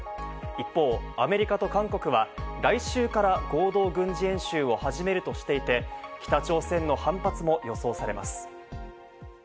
一方、アメリカと韓国は来週から合同軍事演習を始めるとしていて、北朝鮮の反発も予想されます。